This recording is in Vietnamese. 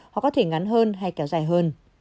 họ có thể ngắn hơn hay kéo dài hơn